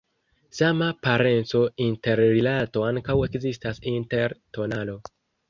Sama parenco-interrilato ankaŭ ekzistas inter tonalo.